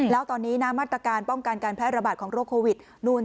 แล้วตอนนี้นะมาตรการป้องกันการแพร่ระบาดของโรคโควิด๑๙